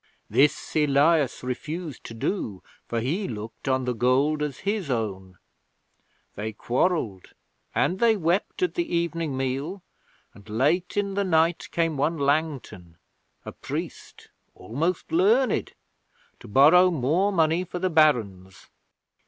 This Elias refused to do, for he looked on the gold as his own. They quarrelled, and they wept at the evening meal, and late in the night came one Langton a priest, almost learned to borrow more money for the Barons.